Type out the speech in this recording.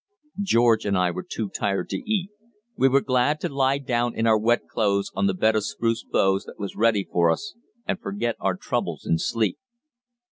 George and I were too tired to eat; we were glad to lie down in our wet clothes on the bed of spruce boughs that was ready for us and forget our troubles in sleep.